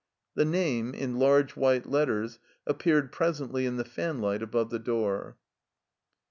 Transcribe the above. The name, in large white letters, appeared pres ently in the fanlight above the door.